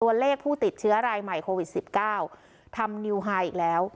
ตัวเลขผู้ติดเชื้อรายใหม่โควิด๑๙ทำนิวไฮอีกแล้ว